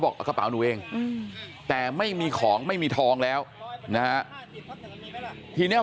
บอกเอากระเป๋าหนูเองแต่ไม่มีของไม่มีทองแล้วนะทีนี้